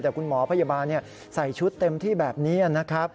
แต่คุณหมอพยาบาลใส่ชุดเต็มที่แบบนี้นะครับ